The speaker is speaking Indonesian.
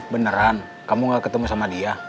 beneran kamu gak ketemu sama dia